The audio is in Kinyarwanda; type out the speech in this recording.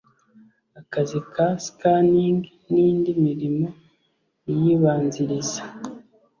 akazi ka scanning n indi mirimo iyibanziriza